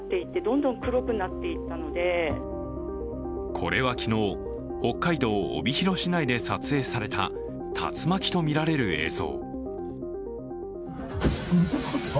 これは昨日、北海道帯広市内で撮影された竜巻と見られる映像。